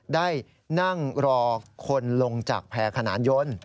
ได้นั่งรอคนลงจากแพร่ขนานยนต์